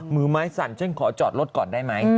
มือไม้สั่นฉันขอจอดรถก่อนได้ไหม